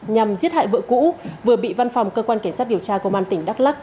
nhằm giết hại vợ cũ vừa bị văn phòng cơ quan cảnh sát điều tra công an tỉnh đắk lắc